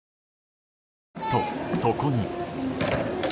と、そこに。